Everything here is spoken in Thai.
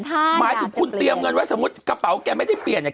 หมายถึงคุณเตรียมเงินไว้สมมุติกระเป๋าแกไม่ได้เปลี่ยนเนี่ย